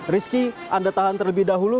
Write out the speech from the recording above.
rizky anda tahan terlebih dahulu